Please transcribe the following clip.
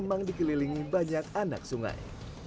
adalah kekuatan yang terlalu besar